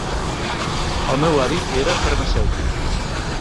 El meu avi era farmacèutic.